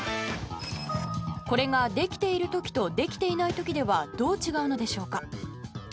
これが、できている時とできていない時ではどう違うのでしょうか。